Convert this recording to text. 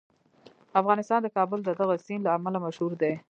افغانستان د کابل د دغه سیند له امله مشهور دی.